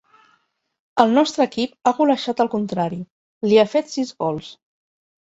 El nostre equip ha golejat el contrari: li ha fet sis gols.